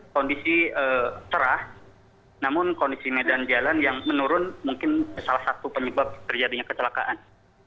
kondisi cerah namun kondisi medan jalan yang menurun mungkin salah satu penyebab terjadinya kecelakaan